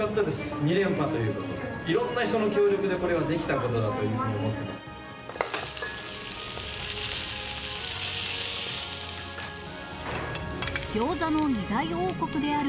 ２連覇ということで、いろんな人の協力で、これはできたことだというふうに思ってます。